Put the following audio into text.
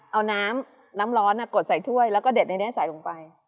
เอาน้ำน้ำร้อนกดใส่ถ้วยแล้วก็เด็ดในนี้ใส่ลงไป